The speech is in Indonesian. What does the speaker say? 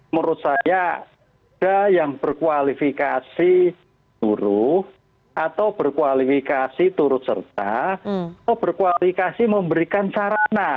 menurut saya ada yang berkualifikasi turuh atau berkualifikasi turut serta atau berkualifikasi memberikan sarana